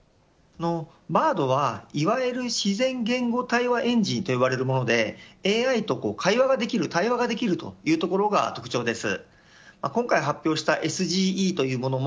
Ｂａｒｄはいわゆる自然言語対話エンジンと呼ばれるものでＡＩと対話ができるというところが特徴です。